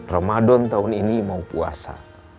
ramadan tahun ini mau puasa